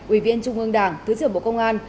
ủy viên trung ương đảng thứ trưởng bộ công an